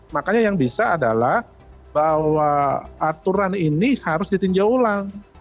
makanya yang bisa adalah bahwa aturan ini harus ditinjau ulang